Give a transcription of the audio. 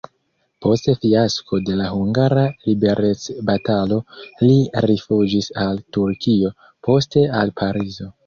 Post fiasko de la hungara liberecbatalo li rifuĝis al Turkio, poste al Parizo.